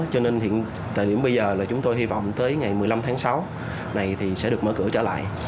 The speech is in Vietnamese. cho nên hiện tại điểm bây giờ là chúng tôi hy vọng tới ngày một mươi năm tháng sáu này thì sẽ được mở cửa trở lại